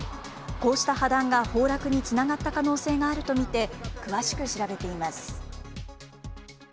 こうした破断が崩落につながった可能性があると見て、詳しく調べています。